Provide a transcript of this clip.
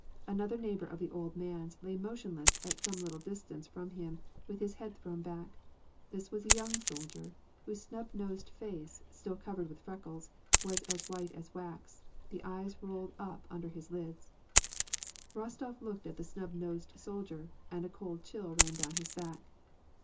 Another neighbor of the old man's lay motionless at some little distance from him, with his head thrown back : this was a young soldier, whose snub nosed face, still covered with freckles, was as white as wax ; the eyes rolled up under his lids. Eostof looked at the snub nosed soldier, and a cold chill ran down his back.